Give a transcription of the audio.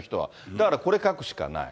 だからこれ書くしかない。